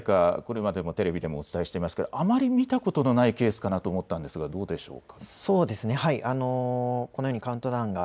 これまでもテレビでお伝えしていますが、あまり見たことのないケースかなと思ったんですがどうでしょうか。